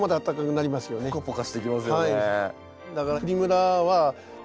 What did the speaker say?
ポカポカしてきますよね。